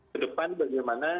ke depan bagaimana